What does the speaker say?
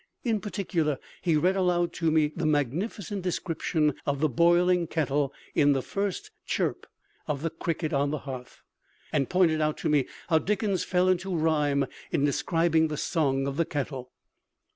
In particular, he read aloud to me the magnificent description of the boiling kettle in the first "Chirp" of "The Cricket on the Hearth," and pointed out to me how Dickens fell into rhyme in describing the song of the kettle.